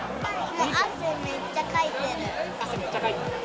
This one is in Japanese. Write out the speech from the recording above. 汗めっちゃかいてる。